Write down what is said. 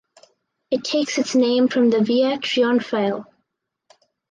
It takes its name from the Via Trionfale.